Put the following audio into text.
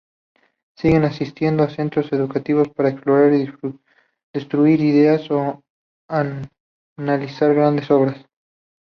Siguen asistiendo a centros educativos para explorar y discutir ideas, o analizar grandes obras.